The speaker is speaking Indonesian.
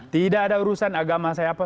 tidak ada urusan agama saya apa